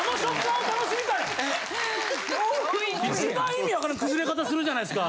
一番意味わからん崩れ方するじゃないですか。